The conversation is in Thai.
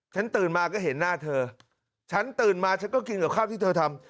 ตื่นมาก็เห็นหน้าเธอฉันตื่นมาฉันก็กินกับข้าวที่เธอทำ